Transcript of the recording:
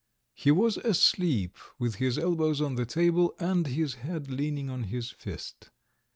He was asleep with his elbows on the table and his head leaning on his fist.